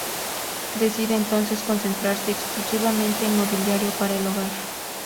Decide entonces concentrarse exclusivamente en mobiliario para el hogar.